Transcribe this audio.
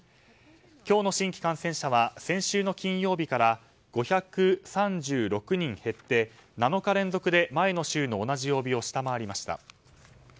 今日の新規感染者は先週の金曜日から５３６人減って７日連続で前の週の同じ曜日を下回りました。